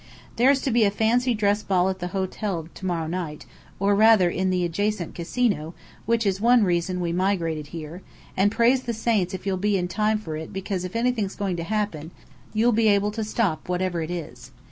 There's to be a fancy dress ball at this hotel to morrow night or rather in the adjacent Casino, which is one reason we migrated here; and praise the saints you'll be in time for it because if anything's going to happen, you'll be able to stop whatever it is.